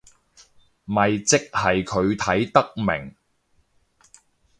咪即係佢睇得明